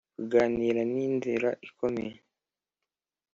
kuganira ni inzira ikomeye